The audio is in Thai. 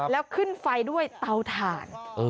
แล้วขึ้นไฟด้วยเตาถ่าน